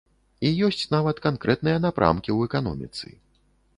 І ёсць нават канкрэтныя напрамкі ў эканоміцы.